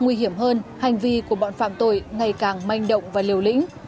nguy hiểm hơn hành vi của bọn phạm tội ngày càng manh động và liều lĩnh